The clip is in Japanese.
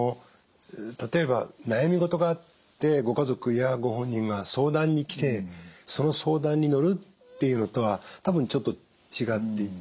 例えば悩みごとがあってご家族やご本人が相談に来てその相談に乗るっていうのとは多分ちょっと違っていて。